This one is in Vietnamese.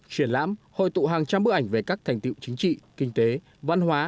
triển lãm hội tụ hàng trăm bức ảnh về các thành tiệu chính trị kinh tế văn hóa